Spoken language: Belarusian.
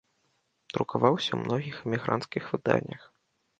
Друкаваўся ў многіх эмігранцкіх выданнях.